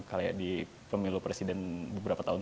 kalau ya di pemilu presiden beberapa tahun